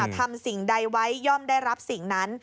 สิ่งใดไว้ย่อมได้รับสิ่งนั้น